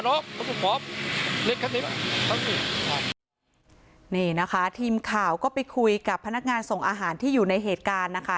นี่นะคะทีมข่าวก็ไปคุยกับพนักงานส่งอาหารที่อยู่ในเหตุการณ์นะคะ